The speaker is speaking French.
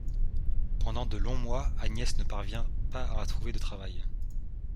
Pendant de long mois, Agnès ne parvient pas à trouver de travail.